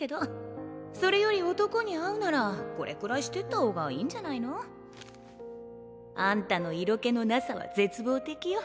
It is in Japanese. それより男に会うならこれくらいしてったほうがいいんじゃないの？あんたの色気のなさは絶望的よ。